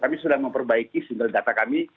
kami sudah memperbaiki single data kami